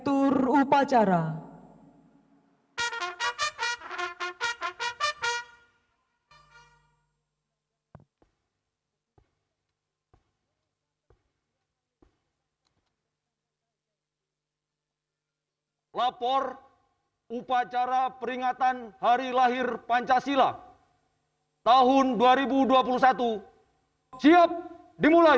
upacara peringatan hari lahir pancasila tahun dua ribu dua puluh satu siap dimulai